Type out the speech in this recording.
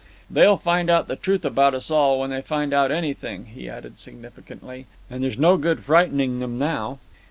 "They'll find out the truth about us all when they find out anything," he added, significantly, "and there's no good frightening them now."